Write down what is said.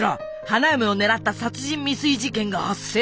花嫁を狙った殺人未遂事件が発生。